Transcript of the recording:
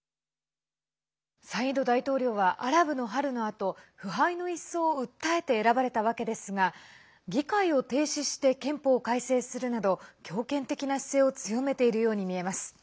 サイード大統領はアラブの春のあと腐敗の一掃を訴えて選ばれたわけですが議会を停止して憲法を改正するなど強権的な姿勢を強めているように見えます。